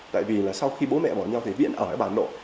tại vì là sau khi bố mẹ bỏ nhau thì viễn ở với bà nội